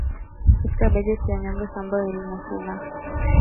Katika bajeti ya nyongeza ambayo ilisainiwa na